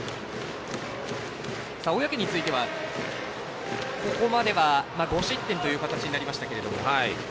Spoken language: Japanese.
小宅については、ここまでは５失点という形になりましたが。